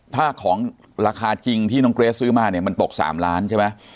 ถ้าของราคาจริงที่น้องเกรสซื้อมาเนี่ยมันตก๓ล้านใช่ไหม